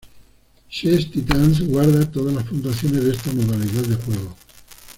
Chess Titans guarda todos las puntuaciones de esta modalidad de juego.